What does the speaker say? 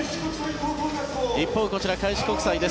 一方、こちら開志国際です。